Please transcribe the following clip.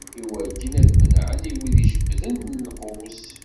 Iwakken ad menɛen i wid ijebbden lqus.